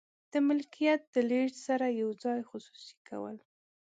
د ملکیت د لیږد سره یو ځای خصوصي کول.